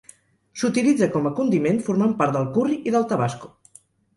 S'utilitza com a condiment, formant part del curri i del tabasco.